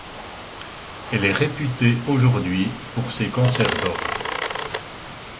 Elle est réputée aujourd'hui pour ses concerts d'orgue.